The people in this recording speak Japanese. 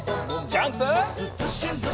ジャンプ！